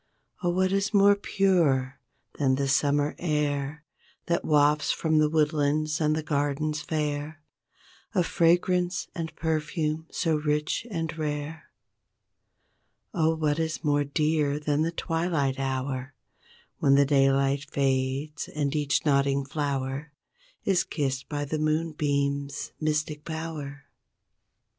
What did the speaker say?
Oh what is more pure than the summer air That wafts from the woodlands and gardens fair A fragrance and perfume so rich and rare? Oh what is more dear than the twilight hour When the daylight fades and each nodding flower Is kissed by the moonbeams' mystic power?